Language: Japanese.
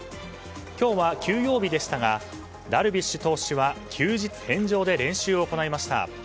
今日は休養日でしたがダルビッシュ投手は休日返上で練習を行いました。